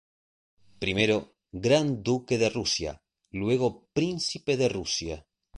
Primero Gran Duque de Rusia, luego Príncipe de Rusia.